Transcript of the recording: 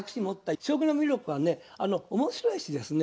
将棋の魅力はね面白いしですね